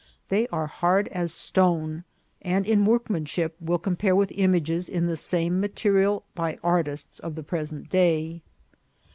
They are hard as stone, and in workmanship will com pare with images in the same material by artists of the present day.